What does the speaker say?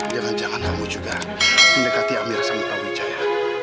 jangan jangan kamu juga mendekati amirah sama prabu wijaya